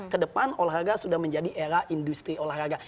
kedepan olahraga sudah menjadi era industri olahraga